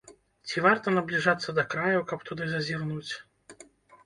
Ці варта набліжацца да краю, каб туды зазірнуць?